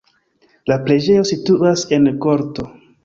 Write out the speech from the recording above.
La preĝejo situas en korto.